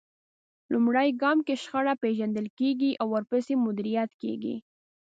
لومړی ګام کې شخړه پېژندل کېږي او ورپسې مديريت کېږي.